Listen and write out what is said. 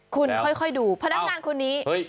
คุณค่อยดูพนักงานคนนี้